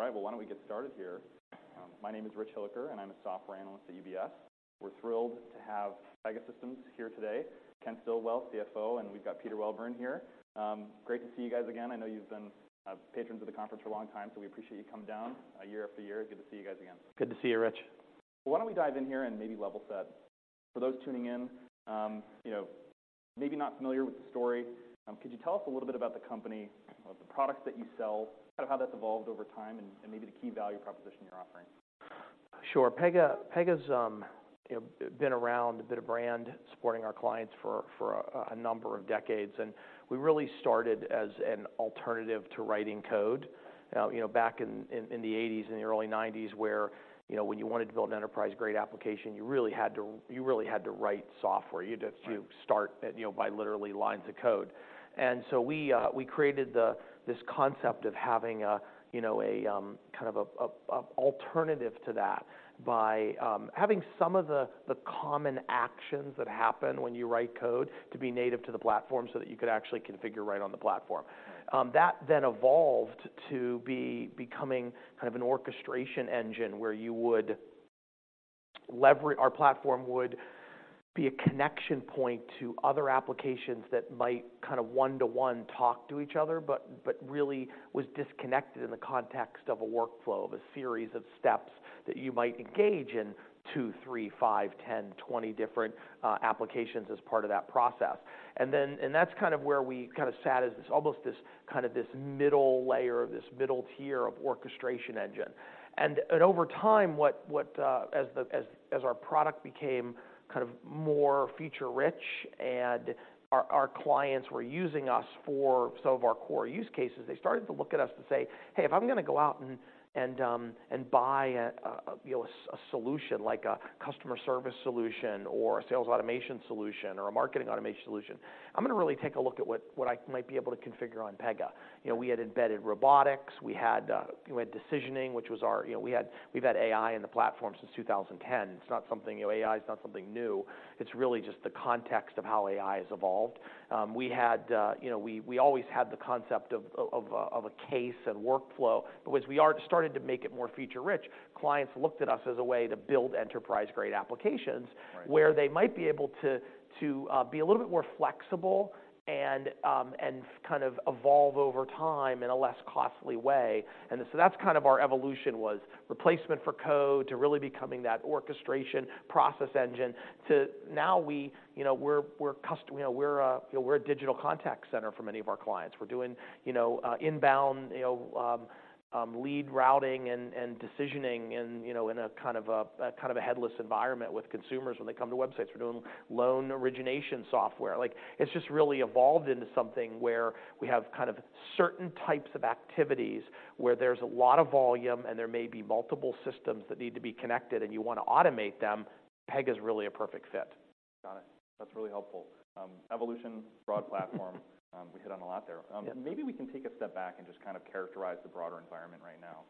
All right, well, why don't we get started here? My name is Rich Hilliker, and I'm a software analyst at UBS. We're thrilled to have Pegasystems here today, Ken Stillwell, CFO, and we've got Peter Welburn here. Great to see you guys again. I know you've been patrons of the conference for a long time, so we appreciate you coming down year after year. Good to see you guys again. Good to see you, Rich. Why don't we dive in here and maybe level set? For those tuning in, you know, maybe not familiar with the story, could you tell us a little bit about the company, about the products that you sell, kind of how that's evolved over time, and maybe the key value proposition you're offering? Sure. Pega, Pega's, you know, been around, been a brand supporting our clients for a number of decades, and we really started as an alternative to writing code. You know, back in the eighties and the early nineties, where, you know, when you wanted to build an enterprise-grade application, you really had to write software. Right. You just... You start, you know, by literally lines of code. And so we created this concept of having a, you know, a kind of a alternative to that by having some of the common actions that happen when you write code to be native to the platform so that you could actually configure right on the platform. Right. That then evolved to be becoming kind of an orchestration engine, where our platform would be a connection point to other applications that might kind of one-to-one talk to each other, but, but really was disconnected in the context of a workflow, of a series of steps that you might engage in 2, 3, 5, 10, 20 different applications as part of that process. And then, and that's kind of where we kind of sat as this, almost this, kind of this middle layer, this middle tier of orchestration engine. Over time, as our product became kind of more feature-rich and our clients were using us for some of our core use cases, they started to look at us and say, "Hey, if I'm going to go out and buy a, you know, a solution like a customer service solution or a sales automation solution or a marketing automation solution, I'm going to really take a look at what I might be able to configure on Pega." You know, we had embedded robotics. We had decisioning, which was our... You know, we've had AI in the platform since 2010. It's not something, you know, AI is not something new. It's really just the context of how AI has evolved. We had, you know, we always had the concept of a case and workflow. But as we are started to make it more feature-rich, clients looked at us as a way to build enterprise-grade applications- Right... where they might be able to be a little bit more flexible and kind of evolve over time in a less costly way. And so that's kind of our evolution was replacement for code to really becoming that orchestration process engine, to now we, you know, we're cust-- you know, we're a, you know, we're a digital contact center for many of our clients. We're doing, you know, inbound, you know, lead routing and decisioning and, you know, in a kind of a kind of a headless environment with consumers when they come to websites. We're doing loan origination software. Like, it's just really evolved into something where we have kind of certain types of activities where there's a lot of volume, and there may be multiple systems that need to be connected, and you want to automate them. Pega is really a perfect fit. Got it. That's really helpful. Evolution, broad platform. We hit on a lot there. Yeah. Maybe we can take a step back and just kind of characterize the broader environment right now.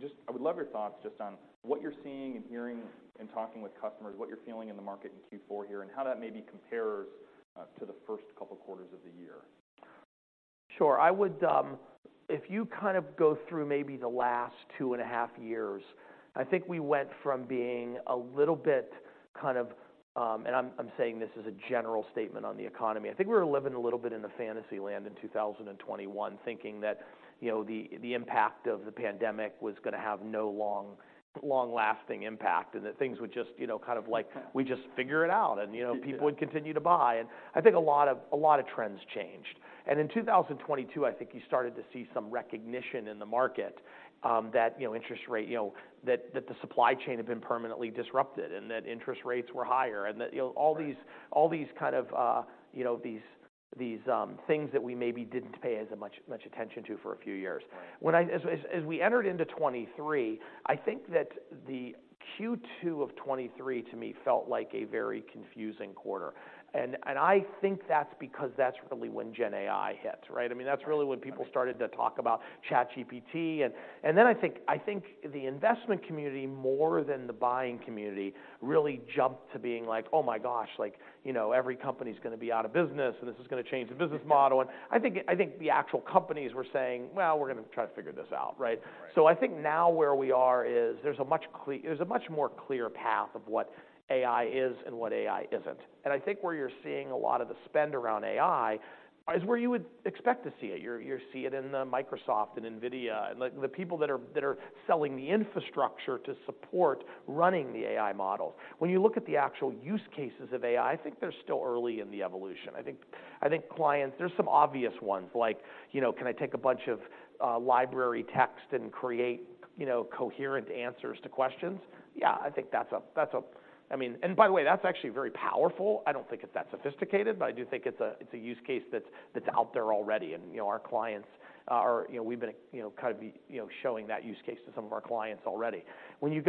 Just I would love your thoughts just on what you're seeing and hearing and talking with customers, what you're feeling in the market in Q4 here, and how that maybe compares to the first couple quarters of the year. Sure. I would, if you kind of go through maybe the last 2.5 years, I think we went from being a little bit kind of. And I'm saying this as a general statement on the economy. I think we were living a little bit in a fantasy land in 2021, thinking that, you know, the impact of the pandemic was going to have no long-lasting impact, and that things would just, you know, kind of like we'd just figure it out, and, you know- Yeah... people would continue to buy. And I think a lot of trends changed. And in 2022, I think you started to see some recognition in the market, that, you know, interest rate, you know, that the supply chain had been permanently disrupted and that interest rates were higher and that, you know- Right... all these, all these kind of, you know, these, these, things that we maybe didn't pay as much, much attention to for a few years. Right. As we entered into 2023, I think that the Q2 of 2023, to me, felt like a very confusing quarter, and I think that's because that's really when Gen AI hit, right? Right. I mean, that's really when people started to talk about ChatGPT. And, and then I think, I think the investment community, more than the buying community, really jumped to being like, "Oh my gosh," like, "you know, every company's going to be out of business, and this is going to change the business model. Yeah. I think, I think the actual companies were saying, "Well, we're going to try to figure this out," right? Right. So I think now where we are is, there's a much more clear path of what AI is and what AI isn't. And I think where you're seeing a lot of the spend around AI is where you would expect to see it. You see it in the Microsoft and NVIDIA and, like, the people that are selling the infrastructure to support running the AI models. When you look at the actual use cases of AI, I think they're still early in the evolution. I think, I think clients, there's some obvious ones like, you know, can I take a bunch of library text and create, you know, coherent answers to questions? Yeah, I think that's a, that's a... I mean, and by the way, that's actually very powerful. I don't think it's that sophisticated, but I do think it's a use case that's out there already. You know, our clients are... You know, we've been, you know, kind of, you know, showing that use case to some of our clients already. When you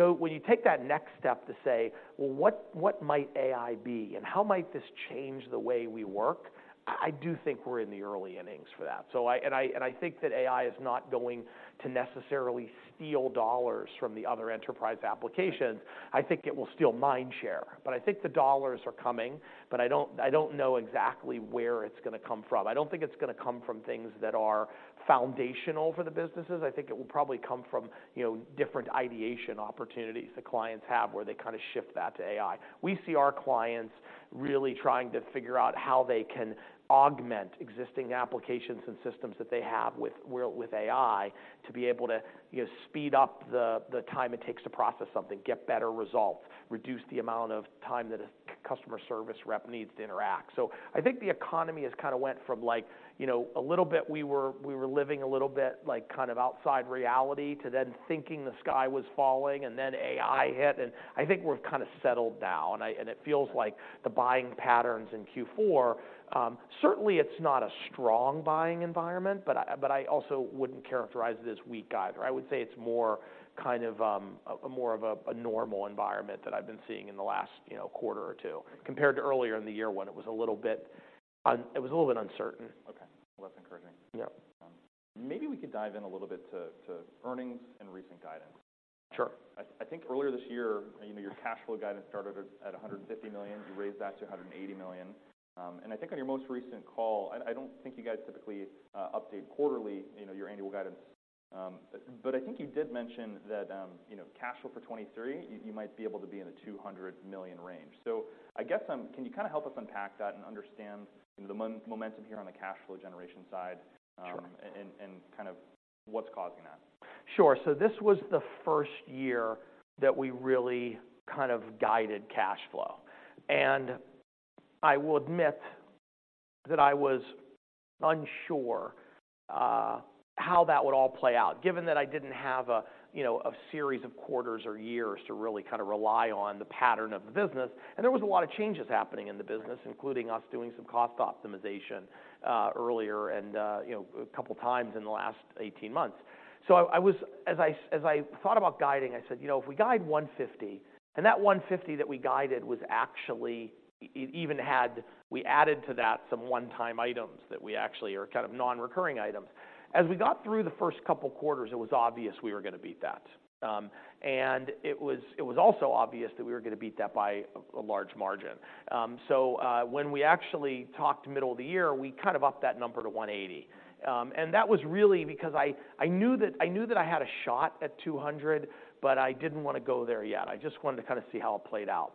take that next step to say, "Well, what might AI be, and how might this change the way we work?" I do think we're in the early innings for that. So, I think that AI is not going to necessarily steal dollars from the other enterprise applications. I think it will steal mind share, but I think the dollars are coming, but I don't know exactly where it's gonna come from. I don't think it's gonna come from things that are foundational for the businesses. I think it will probably come from, you know, different ideation opportunities that clients have, where they kinda shift that to AI. We see our clients really trying to figure out how they can augment existing applications and systems that they have with AI, to be able to, you know, speed up the time it takes to process something, get better results, reduce the amount of time that a customer service rep needs to interact. So I think the economy has kinda went from like, you know, a little bit we were living a little bit, like, kind of outside reality, to then thinking the sky was falling, and then AI hit, and I think we've kinda settled down. I... It feels like the buying patterns in Q4, certainly it's not a strong buying environment, but I also wouldn't characterize it as weak either. I would say it's more kind of a more of a normal environment that I've been seeing in the last, you know, quarter or two, compared to earlier in the year when it was a little bit uncertain. Okay. Well, that's encouraging. Yep. Maybe we could dive in a little bit to earnings and recent guidance. Sure. I think earlier this year, you know, your cash flow guidance started at $150 million. You raised that to $180 million. And I think on your most recent call, I don't think you guys typically update quarterly, you know, your annual guidance, but I think you did mention that, you know, cash flow for 2023, you might be able to be in the $200 million range. So I guess, can you kinda help us unpack that and understand, you know, the momentum here on the cash flow generation side? Sure... and kind of what's causing that? Sure. So this was the first year that we really kind of guided cash flow, and I will admit that I was unsure, how that would all play out, given that I didn't have a, you know, a series of quarters or years to really kind of rely on the pattern of the business, and there was a lot of changes happening in the business, including us doing some cost optimization, earlier, and, you know, a couple of times in the last 18 months. So I was, as I thought about guiding, I said: "You know, if we guide $150..." And that $150 that we guided was actually, it even had, we added to that some one-time items that we actually are kind of non-recurring items. As we got through the first couple of quarters, it was obvious we were gonna beat that. It was also obvious that we were gonna beat that by a large margin. When we actually talked middle of the year, we kind of upped that number to $180. That was really because I knew that I had a shot at $200, but I didn't wanna go there yet. I just wanted to kinda see how it played out.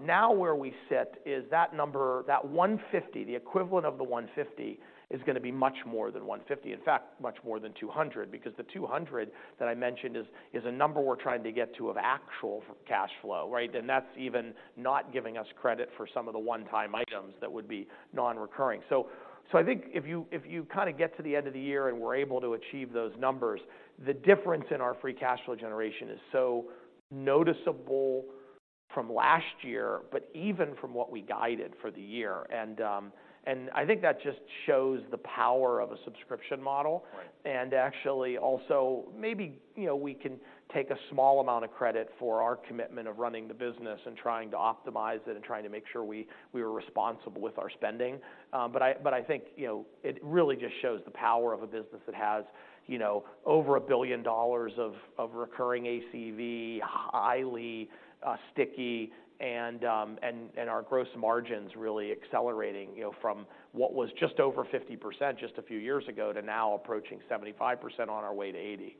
Now, where we sit is that number, that $150, the equivalent of the $150, is gonna be much more than $150. In fact, much more than $200, because the $200 that I mentioned is a number we're trying to get to of actual cash flow, right? And that's even not giving us credit for some of the one-time items that would be non-recurring. So, I think if you kinda get to the end of the year and we're able to achieve those numbers, the difference in our free cash flow generation is so noticeable from last year, but even from what we guided for the year. And I think that just shows the power of a subscription model. Right. Actually, also, maybe, you know, we can take a small amount of credit for our commitment of running the business and trying to optimize it and trying to make sure we are responsible with our spending. But I think, you know, it really just shows the power of a business that has, you know, over $1 billion of recurring ACV, highly sticky, and our gross margins really accelerating, you know, from what was just over 50% just a few years ago, to now approaching 75% on our way to 80%.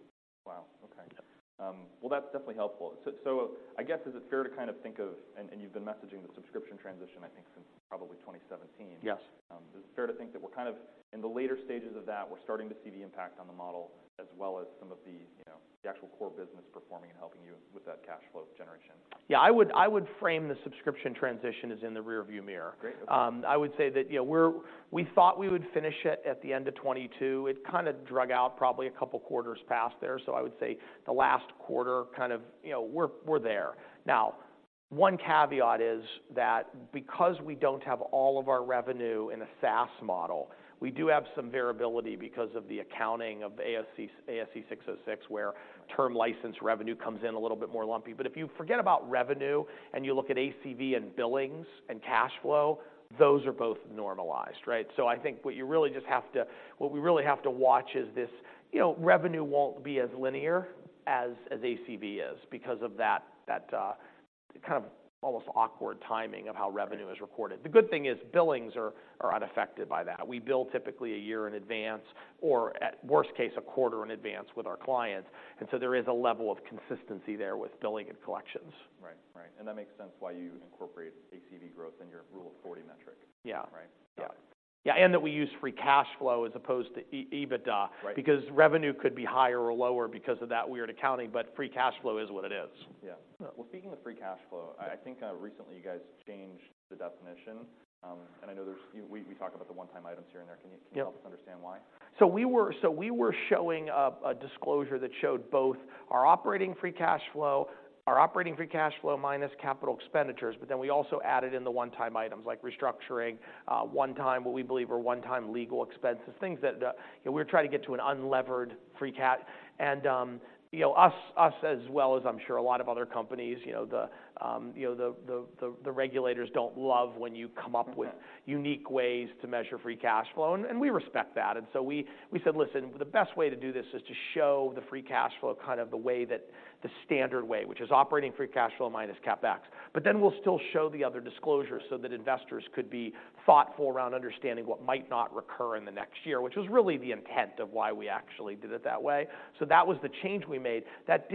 Wow! Okay. Yeah. Well, that's definitely helpful. So, I guess, is it fair to kind of think of... And, you've been messaging the subscription transition, I think, since probably 2017. Yes. Is it fair to think that we're kind of in the later stages of that, we're starting to see the impact on the model, as well as some of the, you know, the actual core business performing and helping you with that cash flow generation? Yeah, I would, I would frame the subscription transition as in the rearview mirror. Great. Okay. I would say that, you know, we thought we would finish it at the end of 2022. It kinda drug out probably a couple quarters past there, so I would say the last quarter, kind of, you know, we're there. Now, one caveat is that because we don't have all of our revenue in a SaaS model, we do have some variability because of the accounting of the ASC 606, where term license revenue comes in a little bit more lumpy. But if you forget about revenue and you look at ACV and billings and cash flow, those are both normalized, right? So I think what you really just have to, what we really have to watch is this, you know, revenue won't be as linear as ACV is, because of that, that, kind of almost awkward timing of how revenue- Right... is recorded. The good thing is, billings are unaffected by that. We bill typically a year in advance, or at worst case, a quarter in advance with our clients. And so there is a level of consistency there with billing and collections. Right. Right, and that makes sense why you incorporate ACV growth in your Rule of Forty metric. Yeah. Right? Yeah. Yeah, and that we use free cash flow as opposed to EBITDA. Right... because revenue could be higher or lower because of that weird accounting, but free cash flow is what it is. Yeah. Yeah. Well, speaking of free cash flow, I think recently you guys changed the definition, and I know there's-- We talked about the one-time items here and there. Yep. Can you help us understand why? So we were showing a disclosure that showed both our operating free cash flow, our operating free cash flow minus capital expenditures, but then we also added in the one-time items, like restructuring, one-time, what we believe are one-time legal expenses, things that the... You know, we're trying to get to an unlevered free cash. And, you know, us as well as I'm sure a lot of other companies, you know, the regulators don't love when you come up with- Mm-hmm... unique ways to measure free cash flow, and we respect that. So we said, "Listen, the best way to do this is to show the free cash flow, kind of the way that the standard way, which is operating free cash flow minus CapEx. But then we'll still show the other disclosures so that investors could be thoughtful around understanding what might not recur in the next year," which was really the intent of why we actually did it that way. So that was the change we made. That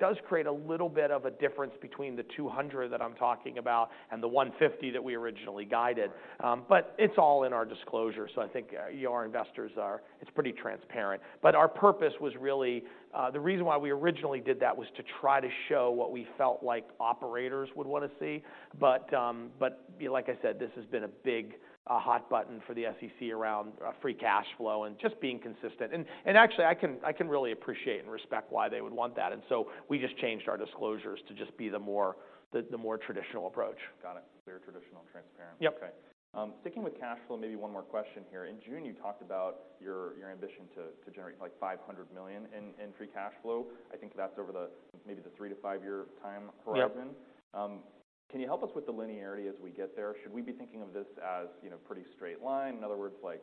does create a little bit of a difference between the $200 that I'm talking about and the $150 that we originally guided. Right. But it's all in our disclosure, so I think, you know, our investors are. It's pretty transparent. But our purpose was really, the reason why we originally did that was to try to show what we felt like operators would wanna see. But, but like I said, this has been a big hot button for the SEC around, free cash flow and just being consistent. And actually, I can really appreciate and respect why they would want that, and so we just changed our disclosures to just be the more, the more traditional approach. Got it. Clear, traditional, and transparent. Yep. Okay. Sticking with cash flow, maybe one more question here. In June, you talked about your ambition to generate, like, $500 million in free cash flow. I think that's over the, maybe the 3-to-5-year time horizon. Yep. Can you help us with the linearity as we get there? Should we be thinking of this as, you know, pretty straight line? In other words, like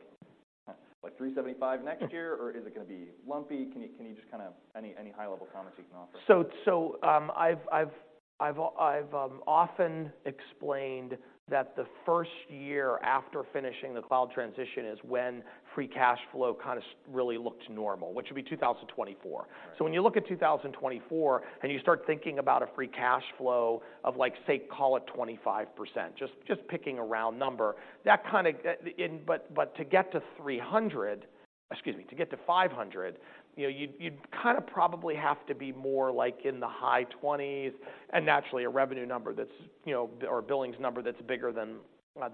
375 next year? Or is it gonna be lumpy? Can you just kinda... Any high-level comments you can offer? So, I've often explained that the first year after finishing the cloud transition is when free cash flow kind of really looked normal, which would be 2024. Right. So when you look at 2024, and you start thinking about a free cash flow of, like, say, call it 25%, just picking a round number, that kind of. But to get to $300, excuse me, to get to $500, you know, you'd kind of probably have to be more, like, in the high 20s, and naturally, a revenue number that's, you know, or billings number that's bigger than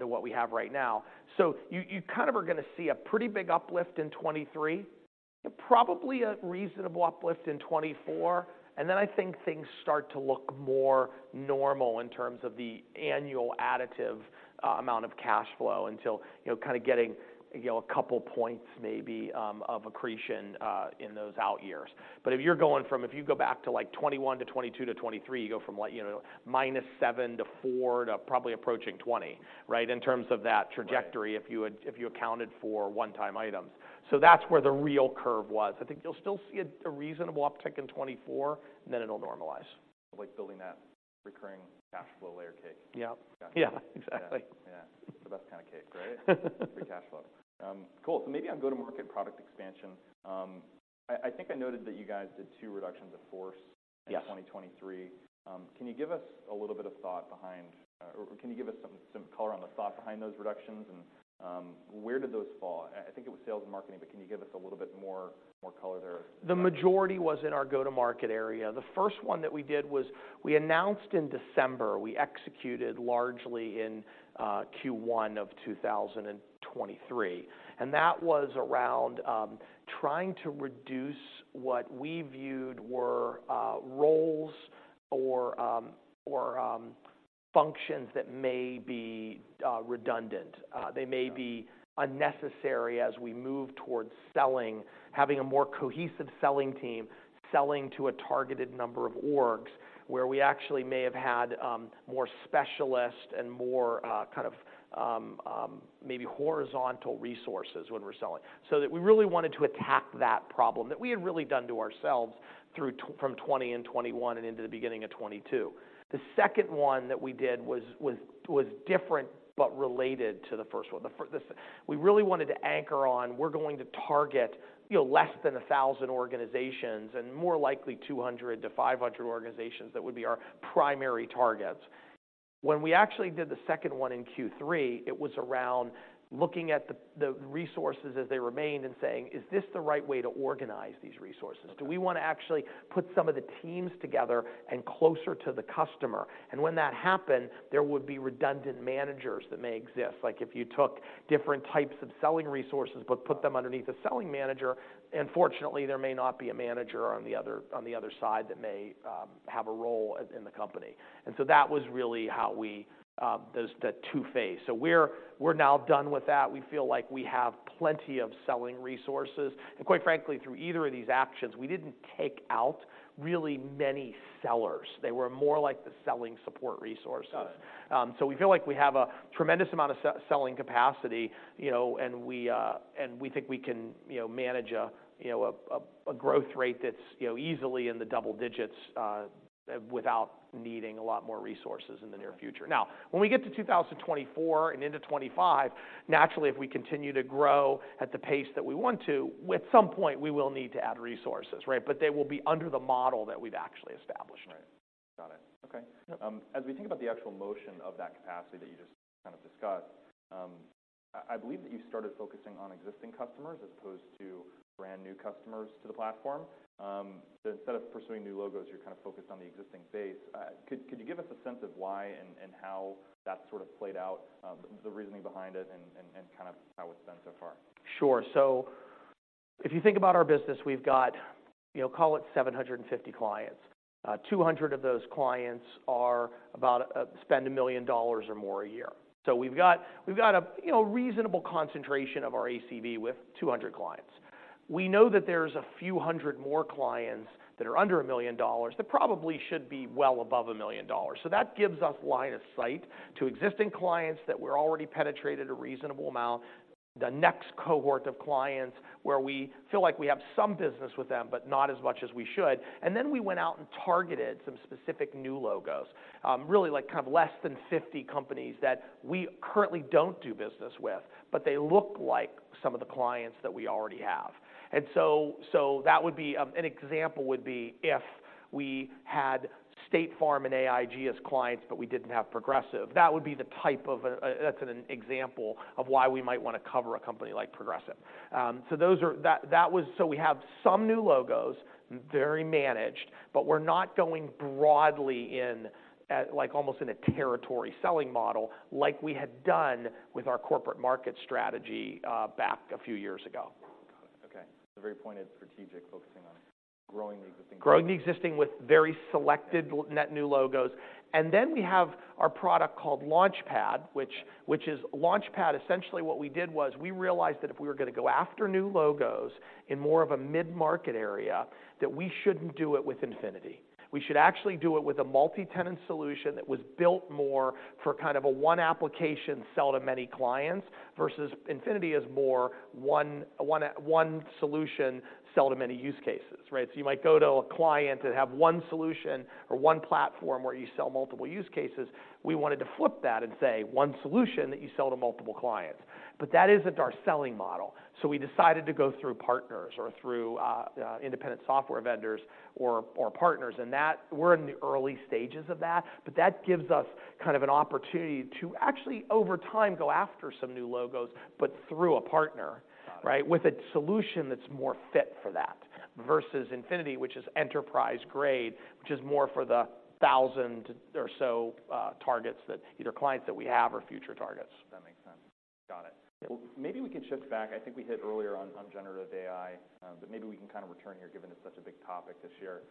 what we have right now. So you kind of are gonna see a pretty big uplift in 2023, probably a reasonable uplift in 2024, and then I think things start to look more normal in terms of the annual additive amount of cash flow until, you know, kind of getting, you know, a couple points maybe of accretion in those out years. But if you're going from... If you go back to, like, 2021 to 2022 to 2023, you go from, like, you know, -7% to 4% to probably approaching 20%, right? In terms of that trajectory- Right... if you had, if you accounted for one-time items. So that's where the real curve was. I think you'll still see a reasonable uptick in 2024, and then it'll normalize. Like building that recurring cash flow layer cake. Yep. Got it. Yeah, exactly. Yeah. Yeah. The best kind of cake, right? Free cash flow. Cool, so maybe on go-to-market product expansion. I think I noted that you guys did two reductions of force- Yes... in 2023. Can you give us a little bit of thought behind, or can you give us some color on the thought behind those reductions, and, where did those fall? I think it was sales and marketing, but can you give us a little bit more color there? The majority was in our go-to-market area. The first one that we did was we announced in December, we executed largely in Q1 of 2023, and that was around trying to reduce what we viewed were roles or functions that may be redundant. Yeah... they may be unnecessary as we move towards selling, having a more cohesive selling team, selling to a targeted number of orgs, where we actually may have had more specialists and more kind of maybe horizontal resources when we're selling. So that we really wanted to attack that problem that we had really done to ourselves through from 2020 and 2021 and into the beginning of 2022. The second one that we did was different but related to the first one. This, we really wanted to anchor on, we're going to target, you know, less than 1,000 organizations, and more likely, 200-500 organizations. That would be our primary targets. When we actually did the second one in Q3, it was around looking at the resources as they remained and saying, "Is this the right way to organize these resources? Okay. Do we wanna actually put some of the teams together and closer to the customer?" And when that happened, there would be redundant managers that may exist. Like, if you took different types of selling resources but put them underneath a selling manager, unfortunately, there may not be a manager on the other side that may have a role in the company, and so that was really how we the two phases. So we're now done with that. We feel like we have plenty of selling resources, and quite frankly, through either of these actions, we didn't take out really many sellers. They were more like the selling support resources. Got it. So we feel like we have a tremendous amount of selling capacity, you know, and we, and we think we can, you know, manage a growth rate that's, you know, easily in the double digits, without needing a lot more resources in the near future. Now, when we get to 2024 and into 2025, naturally, if we continue to grow at the pace that we want to, at some point, we will need to add resources, right? But they will be under the model that we've actually established. Right... Okay. As we think about the actual motion of that capacity that you just kind of discussed, I believe that you started focusing on existing customers as opposed to brand-new customers to the platform. So instead of pursuing new logos, you're kind of focused on the existing base. Could you give us a sense of why and how that sort of played out, the reasoning behind it and kind of how it's been so far? Sure. So if you think about our business, we've got, you know, call it 750 clients. Two hundred of those clients are about spend $1 million or more a year. So we've got, we've got a, you know, reasonable concentration of our ACV with 200 clients. We know that there's a few hundred more clients that are under $1 million, that probably should be well above $1 million. So that gives us line of sight to existing clients, that we're already penetrated a reasonable amount, the next cohort of clients where we feel like we have some business with them, but not as much as we should. And then we went out and targeted some specific new logos. Really like, kind of less than 50 companies that we currently don't do business with, but they look like some of the clients that we already have. And so, so that would be. An example would be if we had State Farm and AIG as clients, but we didn't have Progressive. That would be the type of. That's an example of why we might want to cover a company like Progressive. So those are, that was so we have some new logos, very managed, but we're not going broadly in at, like, almost in a territory selling model, like we had done with our corporate market strategy, back a few years ago. Okay. Very pointed, strategic, focusing on growing the existing- Growing the existing with very selected net new logos. And then we have our product called Launchpad, which is... Launchpad, essentially what we did was, we realized that if we were gonna go after new logos in more of a mid-market area, that we shouldn't do it with Infinity. We should actually do it with a multi-tenant solution that was built more for kind of a one application sell to many clients, versus Infinity is more one solution sell to many use cases, right? So you might go to a client and have one solution or one platform where you sell multiple use cases. We wanted to flip that and say, one solution that you sell to multiple clients, but that isn't our selling model. So we decided to go through partners or through independent software vendors or partners, and that... We're in the early stages of that, but that gives us kind of an opportunity to actually, over time, go after some new logos, but through a partner- Got it. right? With a solution that's more fit for that, versus Infinity, which is enterprise grade, which is more for the 1,000 or so targets that either clients that we have or future targets. That makes sense. Got it. Well, maybe we can shift back. I think we hit earlier on, on generative AI, but maybe we can kind of return here, given it's such a big topic this year.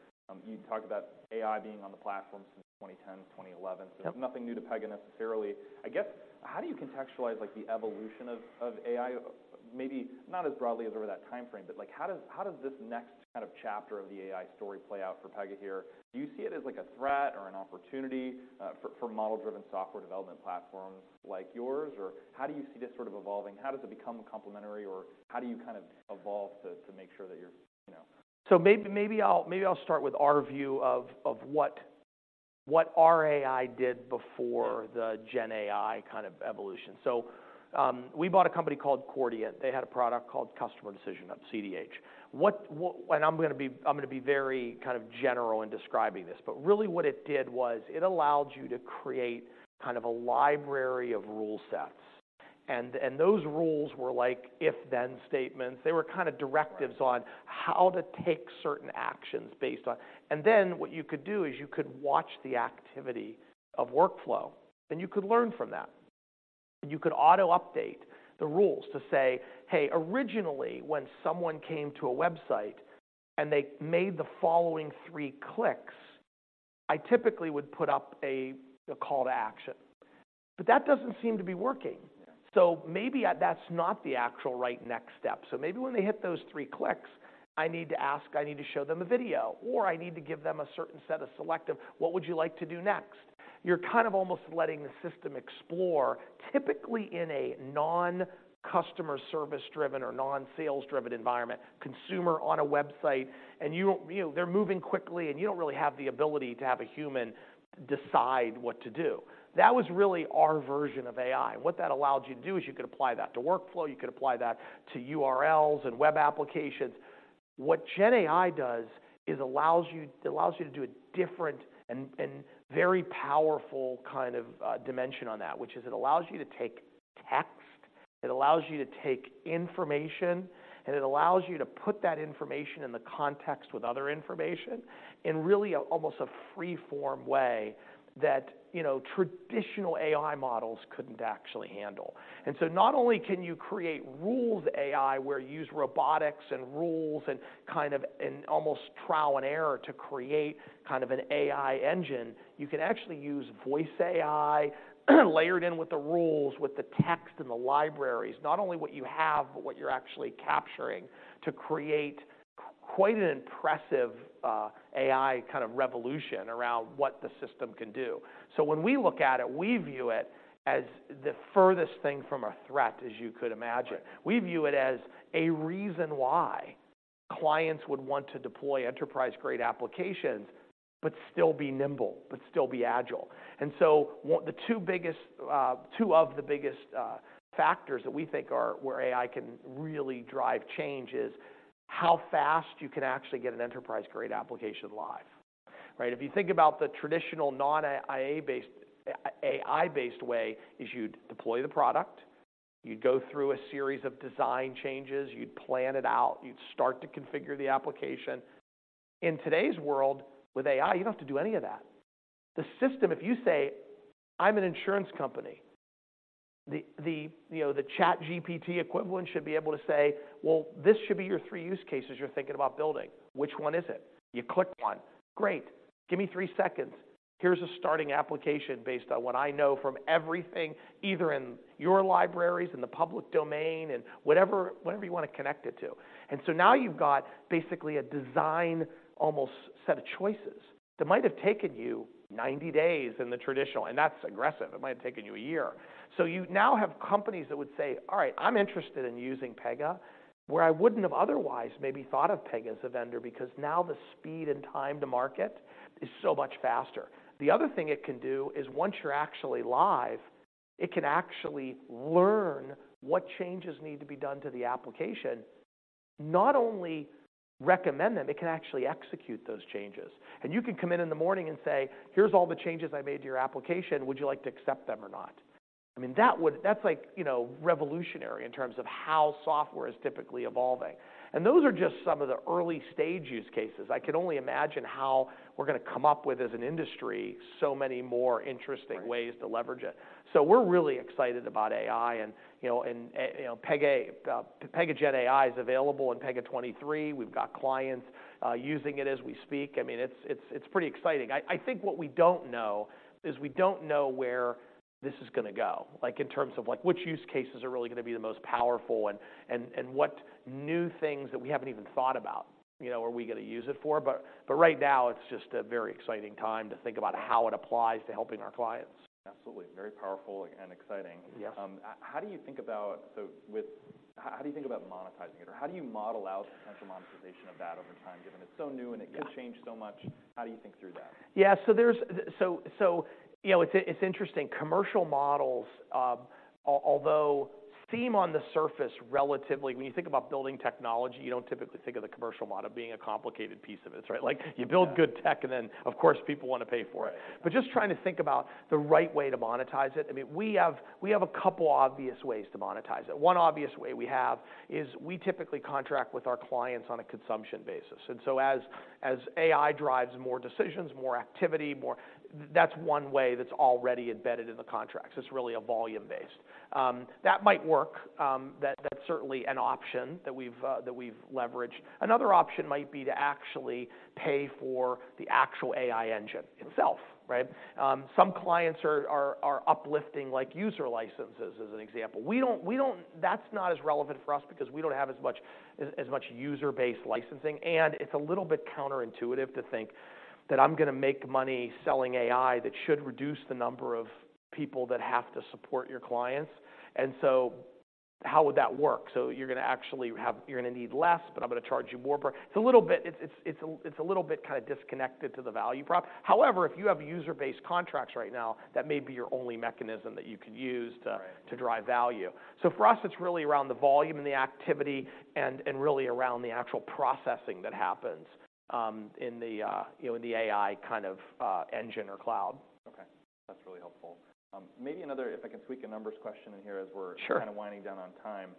You talked about AI being on the platform since 2010, 2011- Yep. So nothing new to Pega, necessarily. I guess, how do you contextualize, like, the evolution of, of AI? Maybe not as broadly as over that timeframe, but like, how does, how does this next kind of chapter of the AI story play out for Pega here? Do you see it as, like, a threat or an opportunity, for, for model-driven software development platforms like yours? Or how do you see this sort of evolving? How does it become complementary, or how do you kind of evolve to, to make sure that you're, you know- So maybe I'll start with our view of what our AI did before the GenAI kind of evolution. So, we bought a company called Chordiant. They had a product called Customer Decision Hub, CDH. And I'm gonna be, I'm gonna be very kind of general in describing this, but really what it did was it allowed you to create kind of a library of rule sets, and those rules were like if/then statements. They were kind of directives on- Right... how to take certain actions based on. And then what you could do is you could watch the activity of workflow, and you could learn from that. You could auto-update the rules to say, "Hey, originally, when someone came to a website, and they made the following three clicks, I typically would put up a call to action, but that doesn't seem to be working. So maybe that's not the actual right next step. So maybe when they hit those three clicks, I need to ask... I need to show them a video, or I need to give them a certain set of selective, 'What would you like to do next?'" You're kind of almost letting the system explore, typically in a non-customer service driven or non-sales driven environment, consumer on a website, and you, you know, they're moving quickly, and you don't really have the ability to have a human decide what to do. That was really our version of AI. What that allowed you to do is you could apply that to workflow, you could apply that to URLs and web applications. What GenAI does is allows you, it allows you to do a different and very powerful kind of dimension on that, which is it allows you to take text, it allows you to take information, and it allows you to put that information in the context with other information in really almost a free-form way that, you know, traditional AI models couldn't actually handle. And so not only can you create rules AI, where you use robotics and rules and kind of almost trial and error to create kind of an AI engine, you can actually use voice AI, layered in with the rules, with the text and the libraries, not only what you have, but what you're actually capturing, to create quite an impressive AI kind of revolution around what the system can do. When we look at it, we view it as the furthest thing from a threat as you could imagine. Right. We view it as a reason why clients would want to deploy enterprise-grade applications, but still be nimble, but still be agile. And so what the two biggest, two of the biggest, factors that we think are where AI can really drive change is- how fast you can actually get an enterprise-grade application live, right? If you think about the traditional non-IA based, AI-based way, is you'd deploy the product, you'd go through a series of design changes, you'd plan it out, you'd start to configure the application. In today's world, with AI, you don't have to do any of that. The system, if you say, "I'm an insurance company," the, the, you know, the ChatGPT equivalent should be able to say, "Well, this should be your three use cases you're thinking about building. Which one is it?" You click one. "Great. Give me three seconds. Here's a starting application based on what I know from everything, either in your libraries, in the public domain, and whatever, whatever you want to connect it to." And so now you've got basically a design, almost set of choices, that might have taken you 90 days in the traditional, and that's aggressive. It might have taken you a year. So you now have companies that would say, "All right, I'm interested in using Pega," where I wouldn't have otherwise maybe thought of Pega as a vendor, because now the speed and time to market is so much faster. The other thing it can do is once you're actually live, it can actually learn what changes need to be done to the application. Not only recommend them, it can actually execute those changes. And you can come in in the morning and say, "Here's all the changes I made to your application. Would you like to accept them or not?" I mean, that would, that's like, you know, revolutionary in terms of how software is typically evolving. And those are just some of the early stage use cases. I can only imagine how we're going to come up with, as an industry, so many more interesting ways to leverage it. So we're really excited about AI and, you know, and, Pega, Pega GenAI is available in Pega '23. We've got clients, using it as we speak. I mean, it's pretty exciting. I think what we don't know is we don't know where this is going to go. Like, in terms of, like, which use cases are really going to be the most powerful and what new things that we haven't even thought about, you know, are we going to use it for? But right now, it's just a very exciting time to think about how it applies to helping our clients. Absolutely. Very powerful and exciting. Yes. How do you think about... So, with how do you think about monetizing it? Or how do you model out the potential monetization of that over time, given it's so new and it- Yeah... could change so much? How do you think through that? So, you know, it's interesting. Commercial models, although seem on the surface, relatively, when you think about building technology, you don't typically think of the commercial model being a complicated piece of it, right? Like, you build good tech, and then, of course, people want to pay for it. But just trying to think about the right way to monetize it, I mean, we have a couple obvious ways to monetize it. One obvious way we have is we typically contract with our clients on a consumption basis, and so as AI drives more decisions, more activity, more... That's one way that's already embedded in the contracts. It's really a volume-based. That might work. That's certainly an option that we've leveraged. Another option might be to actually pay for the actual AI engine itself, right? Some clients are uplifting, like, user licenses, as an example. We don't. That's not as relevant for us because we don't have as much user-based licensing, and it's a little bit counterintuitive to think that I'm going to make money selling AI that should reduce the number of people that have to support your clients. And so how would that work? So you're going to actually need less, but I'm going to charge you more. It's a little bit kind of disconnected to the value prop. However, if you have user-based contracts right now, that may be your only mechanism that you could use to- Right... to drive value. So for us, it's really around the volume and the activity and really around the actual processing that happens, you know, in the AI kind of engine or cloud. Okay. That's really helpful. Maybe another, if I can tweak a numbers question in here as we're- Sure... kind of winding down on time.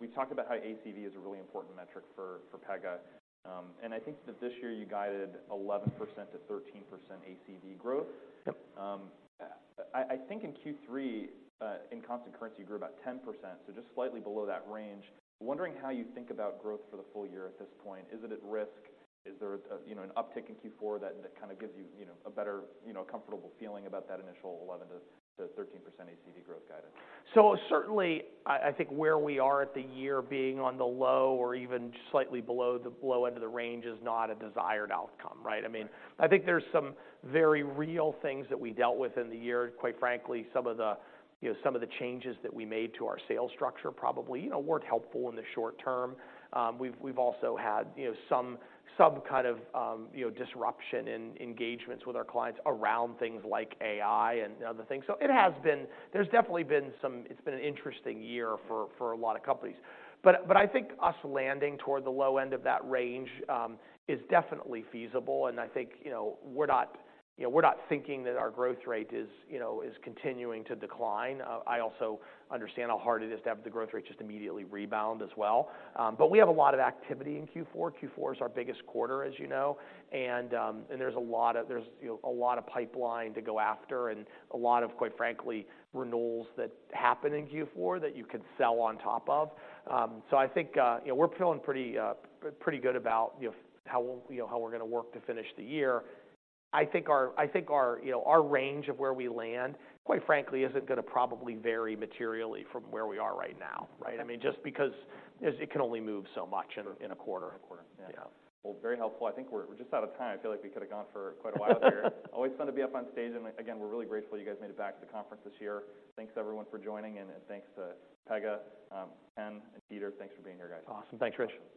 We've talked about how ACV is a really important metric for, for Pega. I think that this year you guided 11%-13% ACV growth. Yep. I think in Q3, in constant currency, you grew about 10%, so just slightly below that range. Wondering how you think about growth for the full year at this point. Is it at risk? Is there a, you know, an uptick in Q4 that kind of gives you, you know, a better, you know, comfortable feeling about that initial 11%-13% ACV growth guidance? So certainly, I think where we are at the year being on the low or even slightly below the low end of the range is not a desired outcome, right? I mean, I think there's some very real things that we dealt with in the year. Quite frankly, you know, some of the changes that we made to our sales structure probably, you know, weren't helpful in the short term. We've also had, you know, some kind of, you know, disruption in engagements with our clients around things like AI and other things. So it has been. There's definitely been some... It's been an interesting year for a lot of companies. But I think us landing toward the low end of that range is definitely feasible, and I think, you know, we're not, you know, we're not thinking that our growth rate is, you know, continuing to decline. I also understand how hard it is to have the growth rate just immediately rebound as well. But we have a lot of activity in Q4. Q4 is our biggest quarter, as you know, and there's, you know, a lot of pipeline to go after and a lot of, quite frankly, renewals that happen in Q4 that you can sell on top of. So I think, you know, we're feeling pretty good about, you know, how, you know, how we're going to work to finish the year. I think our you know, our range of where we land, quite frankly, isn't going to probably vary materially from where we are right now, right? I mean, just because it can only move so much in a quarter. In a quarter, yeah. Yeah. Well, very helpful. I think we're just out of time. I feel like we could have gone for quite a while here. Always fun to be up on stage, and again, we're really grateful you guys made it back to the conference this year. Thanks, everyone, for joining in, and thanks to Pega. Ken and Peter, thanks for being here, guys. Awesome. Thanks, Rich.